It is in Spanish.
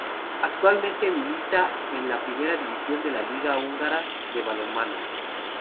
Actualmente milita en la Primera División de la liga húngara de balonmano.